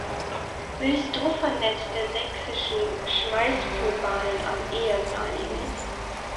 Wilsdruffer Netz der Sächsischen Schmalspurbahnen am ehem.